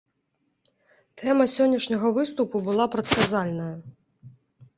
Тэма сённяшняга выступу была прадказальная.